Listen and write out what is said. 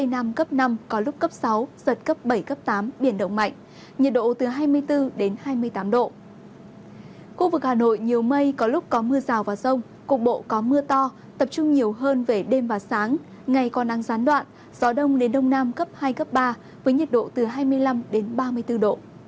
hãy đăng ký kênh để ủng hộ kênh của chúng mình nhé